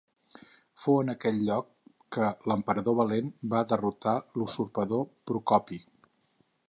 Fou en aquest lloc que l'emperador Valent va derrotar l'usurpador Procopi.